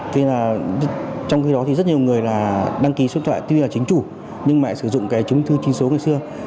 trong khi đó thì rất nhiều người là đăng ký số điện thoại tuy là chính chủ nhưng mà sử dụng cái chứng thư chính số ngày xưa